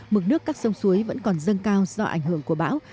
mực nước các sông suối vẫn còn dâng cao do ảnh hưởng của bão